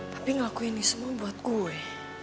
tapi ngelakuin ini semua buat gue